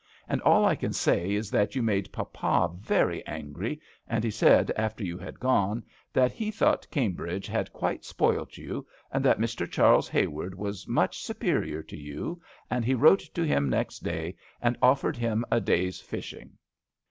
And all I can say is that you made papa very angry, and he said, after you had gone, that he thought Cambridge had quite spoilt you, and that Mr. Charles Hayward was much superior to you, and he wrote to him next day and offered him a day's fishing."